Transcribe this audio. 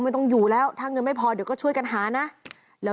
ไม่ต้องอยู่แล้วถ้าเงินไม่พอเดี๋ยวก็ช่วยกันหานะแล้ว